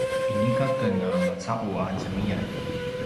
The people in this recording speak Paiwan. inika aken a maca’u a zemiyan